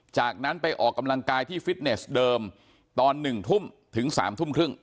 จากนั้นไปออกกำลังกายที่ฟิตเนสเดิมตอน๑ทุ่มถึง๓ทุ่มครึ่ง